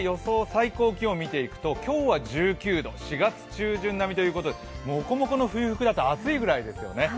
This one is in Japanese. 最高気温を見ていくと今日は１９度、４月中旬並みということでもこもこの冬服だと暑いくらいですよね。